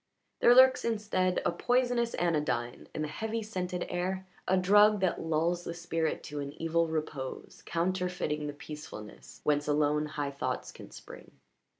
There lurks instead a poisonous anodyne in the heavy, scented air a drug that lulls the spirit to an evil repose counterfeiting the peacefulness whence alone high thoughts can spring.